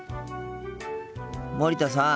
森田さん。